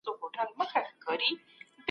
د مستقيمې اړيکې قانون عملونه تشریح کوي.